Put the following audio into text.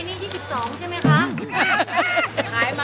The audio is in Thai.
อันนี้ยี่สิบสองใช่ไหมคะ